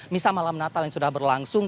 misa malam natal yang sudah berlangsung